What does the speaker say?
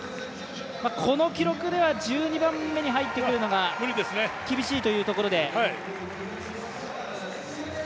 この記録では１２番目に入ってくるのが厳しいというところで。